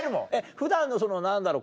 普段の何だろう